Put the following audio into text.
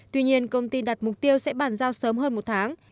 tuy nhiên công ty đặt mục tiêu sẽ bàn giao sớm hơn một tháng